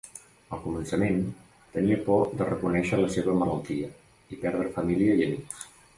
Al començament tenia por de reconèixer la seva malaltia i perdre família i amics.